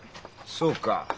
そうか。